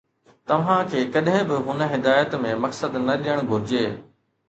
توهان کي ڪڏهن به هن هدايت ۾ مقصد نه ڏيڻ گهرجي